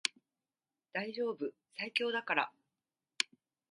大丈夫最強だから